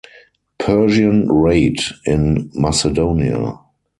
Persian raid in Macedonia.